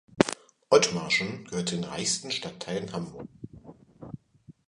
Othmarschen gehört zu den reichsten Stadtteilen Hamburgs.